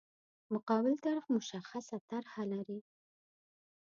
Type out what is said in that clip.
مقابل طرف مشخصه طرح لري.